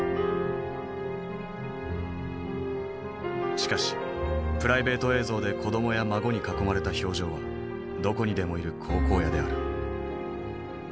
しかしプライベート映像で子どもや孫に囲まれた表情はどこにでもいる好々爺である。